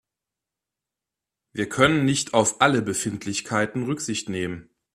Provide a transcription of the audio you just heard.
Wir können nicht auf alle Befindlichkeiten Rücksicht nehmen.